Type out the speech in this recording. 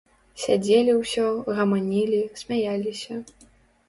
Сядзелі ўсё, гаманілі, смяяліся.